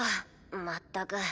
まったく。